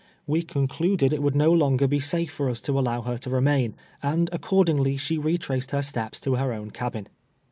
We concluded it would no longer be safe for us to allow her to remain, and accordingly she re traced her steps to her own cabin.